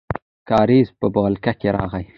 کارېز په ولکه کې راغی.